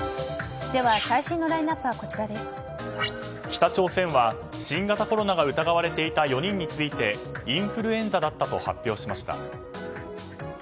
北朝鮮は、新型コロナが疑われていた４人についてインフルエンザだったと発表しました。